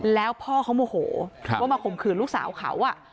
แล้วพ่อเขาโมโหว่ามาข่มขืนลูกสาวเขา